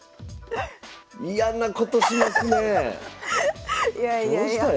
嫌なことしますねえ！